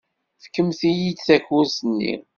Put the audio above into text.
Fkemt-iyi-d takurt-nni!